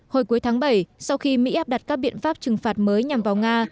hồi cuối tháng bảy sau khi mỹ áp đặt các biện pháp trừng phạt mới nhằm vào nga